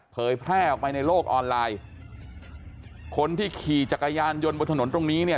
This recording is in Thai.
เผยแพร่ออกไปในโลกออนไลน์คนที่ขี่จักรยานยนต์บนถนนตรงนี้เนี่ย